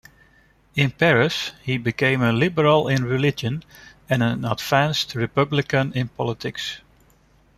In Paris, he became a liberal in religion and an advanced republican in politics.